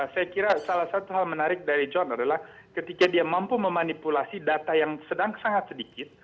saya kira salah satu hal menarik dari john adalah ketika dia mampu memanipulasi data yang sedang sangat sedikit